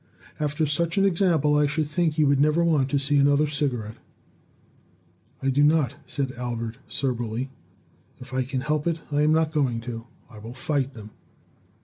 "After such an example, I should think you would never want to see another cigarette." "I do not," said Albert, soberly, "and if I can help it, I am not going to; I will fight them.